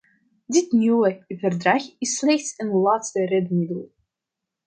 Dit nieuwe verdrag is slechts een laatste redmiddel.